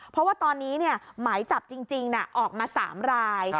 เพราะว่าตอนนี้เนี่ยไหมจับจริงจริงน่ะออกมาสามราย